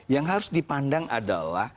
yang harus dipandang adalah